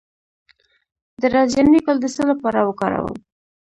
د رازیانې ګل د څه لپاره وکاروم؟